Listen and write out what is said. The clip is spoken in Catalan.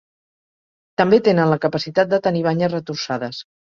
També tenen la capacitat de tenir banyes retorçades.